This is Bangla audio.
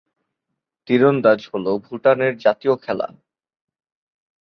তীরন্দাজ হলো ভুটানের জাতীয় খেলা।